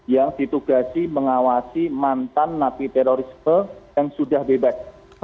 yang ditugasi mengawasi mantan napi terorisme yang sudah bebas